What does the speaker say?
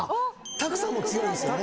拓さんも強いんですよね。